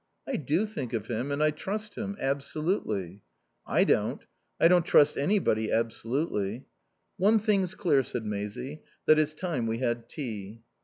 "I do think of him. And I trust him. Absolutely." "I don't. I don't trust anybody absolutely." "One thing's clear," said Maisie, "that it's time we had tea."